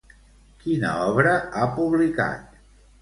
Quina obra ha publicat?